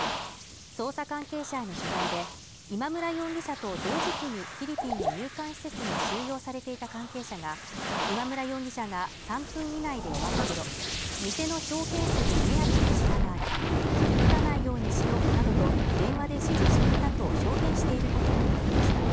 捜査関係者への取材で、今村容疑者と同時期にフィリピンの入管施設に収容されていた関係者が今村容疑者が３分以内で終わらせろ、店のショーケースに目当ての品がある傷つかないようにしろなどと電話で指示していたと証言していることがわかりました。